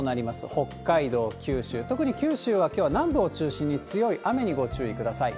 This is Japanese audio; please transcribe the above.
北海道、九州、特に九州はきょうは南部を中心に強い雨にご注意ください。